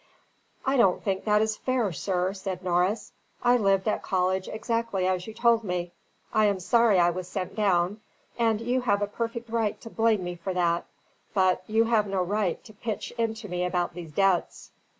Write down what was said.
"I don't think that is fair, sir," said Norris. "I lived at college exactly as you told me. I am sorry I was sent down, and you have a perfect right to blame me for that; but you have no right to pitch into me about these debts."